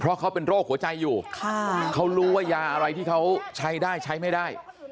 เพราะเขาเป็นโรคหัวใจอยู่เขารู้ว่ายาอะไรที่เขาใช้ได้ใช้ไม่ได้